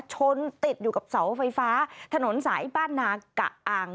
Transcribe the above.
ชนติดอยู่กับเสาไฟฟ้าถนนสายบ้านนากะอ่าง